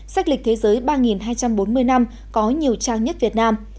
sách lịch thế giới ba hai trăm bốn mươi năm có nhiều trang nhất việt nam